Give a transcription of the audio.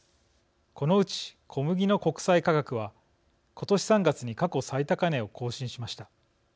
このうち、小麦の国際価格は今年３月に過去最高値を更新しました。